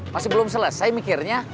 masih belum selesai mikirnya